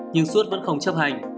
nhưng suốt vẫn không chấp hành